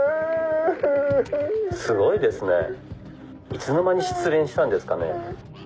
すごいですねいつの間に失恋したんですかね。